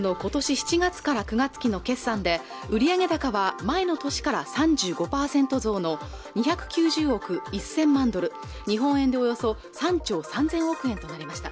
７月から９月期の決算で売上高は前の年から３５％増の２９０億１０００万ドル日本円でおよそ３兆３０００億円となりました